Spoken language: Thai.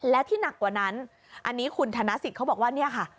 และที่หนักกว่านั้นอันนี้คุณธนสิทธิ์เขาบอกว่าเนี่ยค่ะ